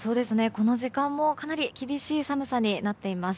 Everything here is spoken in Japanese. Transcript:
この時間もかなり厳しい寒さになっています。